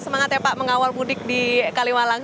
semangat ya pak mengawal mudik di kaliwalang